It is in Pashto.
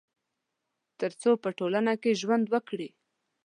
تر څو په ټولنه کي ژوند وکړي